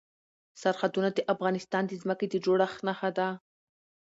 سرحدونه د افغانستان د ځمکې د جوړښت نښه ده.